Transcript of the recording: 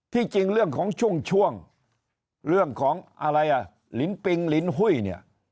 ที่จริงเรื่องของช่วงเรื่องของอะไรลิ้นปิงลิ้นหุ้ย